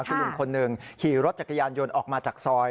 คุณลุงคนหนึ่งขี่รถจักรยานยนต์ออกมาจากซอย